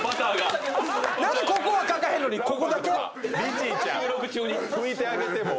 何でここはかかへんのにここだけ⁉拭いてあげてもう。